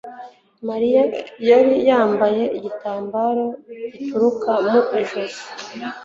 Mariya yari yambaye igitambaro gitukura mu ijosi.